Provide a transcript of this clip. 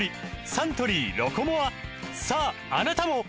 サントリー「ロコモア」さああなたも！